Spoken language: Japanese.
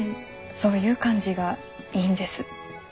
そういう感じがいいんです。